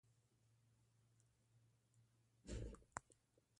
ازادي راډیو د اطلاعاتی تکنالوژي په اړه د پرمختګ لپاره د ستراتیژۍ ارزونه کړې.